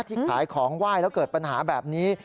ขายของไหว้แล้วเกิดปัญหาแบบนี้